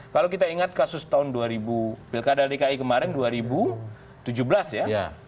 kalau kita ingat kasus tahun dua ribu pilkada dki kemarin dua ribu tujuh belas ya